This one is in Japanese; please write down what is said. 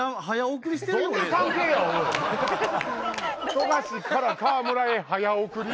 富樫から河村へ「早送り」。